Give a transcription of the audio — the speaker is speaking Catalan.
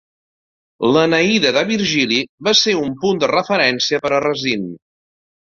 L'Eneida de Virgili va ser un punt de referència per a Racine.